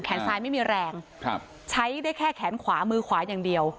ซ้ายไม่มีแรงครับใช้ได้แค่แขนขวามือขวาอย่างเดียว